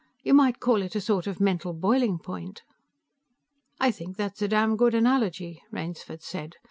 You might call it a sort of mental boiling point." "I think that's a damn good analogy," Rainsford said.